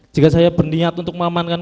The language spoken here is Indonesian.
jika saya berniat untuk memamankan